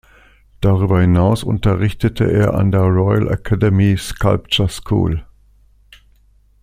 Darüber hinaus unterrichtete er an der Royal Academy Sculpture School.